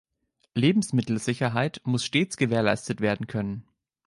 Lebensmittelsicherheit muss stets gewährleistet werden können.